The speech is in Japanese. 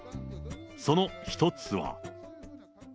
その１つは。